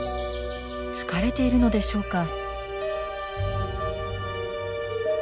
疲れているのでしょうか。